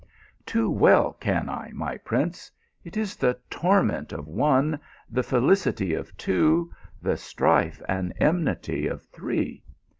" Too well can I, my prince./ It is the torment ot one, the felicity of two, the strife and enmity of three.?